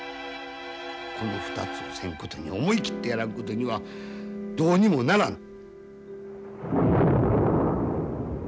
この２つをせんことには思い切ってやらんことにはどうにもならん。